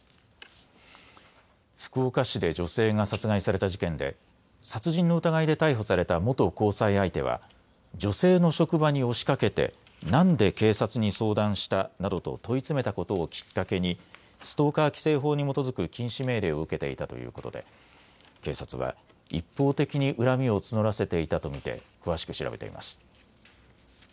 福岡市で女性が殺害された事件で殺人の疑いで逮捕された元交際相手は女性の職場に押しかけて、なんで警察に相談したなどと問い詰めたことをきっかけにストーカー規制法に基づく禁止命令を受けていたということで警察は一方的に恨みを募らせていたと見て詳しく調べています。